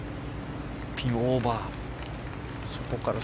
ピンをオーバー。